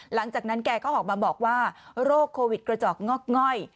หลังจากนั้นแกก็ออกมาบอกว่าโรคโควิดกระจอกงอกง่อย